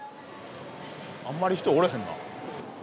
あんまり人、おれへんな。